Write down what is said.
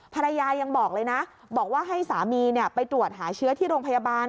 ภรรยายังบอกเลยนะบอกว่าให้สามีไปตรวจหาเชื้อที่โรงพยาบาล